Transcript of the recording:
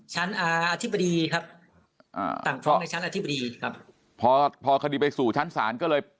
อ่าอธิบดีครับอ่าสั่งฟ้องในชั้นอธิบดีครับพอพอคดีไปสู่ชั้นศาลก็เลย